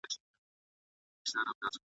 بیا مُلا سو بیا هغه د سیند څپې سوې `